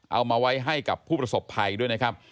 เอามาไว้ให้กับผู้ประสบภัยด้วยนะครับ